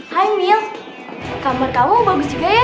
hai mil kamar kamu bagus juga ya